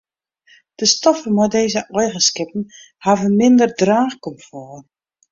De stoffen mei dizze eigenskippen hawwe minder draachkomfort.